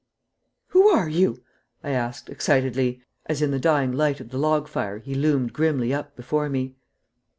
"Who are you?" I asked, excitedly, as in the dying light of the log fire he loomed grimly up before me.